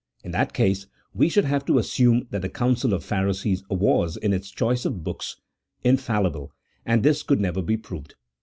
In that case we should have to assume that the council of Pharisees was, in its choice of books, infallible, and this could never be proved.